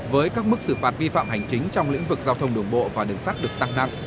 với các mức xử phạt vi phạm hành chính trong lĩnh vực giao thông đường bộ và đường sắt được tăng nặng